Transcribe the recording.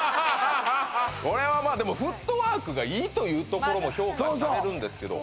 これはまあでもフットワークがいいというところも評価はされるんですけど